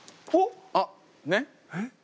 あっねっ。